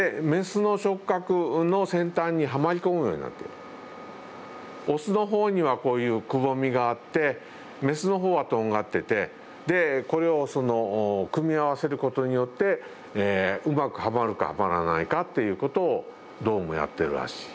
実はこれオスの方にはこういうくぼみがあってメスの方はとんがっててこれを組み合わせることによってうまくはまるかはまらないかっていうことをどうもやってるらしい。